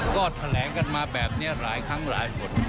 ก็แถลงกันมาแบบนี้หลายครั้งหลายบท